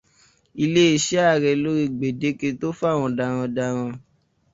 Iléeṣẹ́ ààrẹ lórí gbèdéke tó fáwọn darandaran.